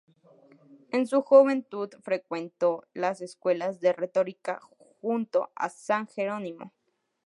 En su juventud, frecuentó las escuelas de retórica junto a San Jerónimo.